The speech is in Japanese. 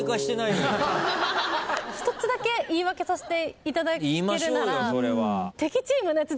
１つだけ言い訳させていただけるなら。